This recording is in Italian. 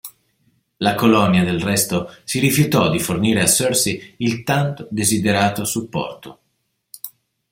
La colonia del resto si rifiutò di fornire a Sercey il tanto desiderato supporto.